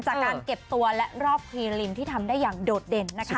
จากการเก็บตัวและรอบครีลิมที่ทำได้อย่างโดดเด่นนะคะ